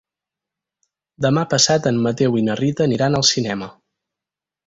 Demà passat en Mateu i na Rita aniran al cinema.